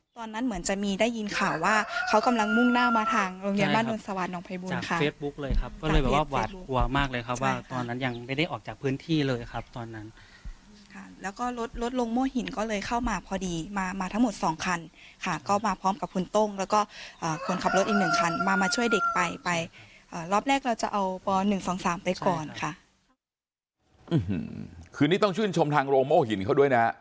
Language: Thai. คืนนี้ต้องชื่นชมทางโรงโม่หิน